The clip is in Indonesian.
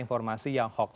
informasi yang hoax